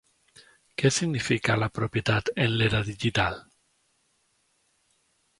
Què significa la propietat en l'era digital?